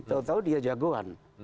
tahu tahu dia jagoan